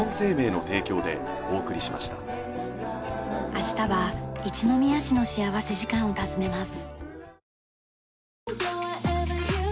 明日は一宮市の幸福時間を訪ねます。